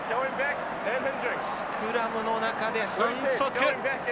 スクラムの中で反則。